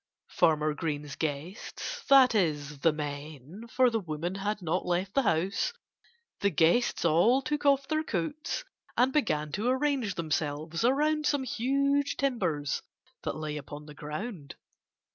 Farmer Green's guests that is, the men, for the women had not left the house the guests all took off their coats and began to arrange themselves around some huge timbers that lay upon the ground.